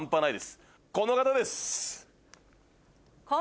この方です。